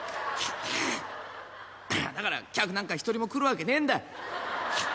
「だから客なんか一人も来るわけねえんだ」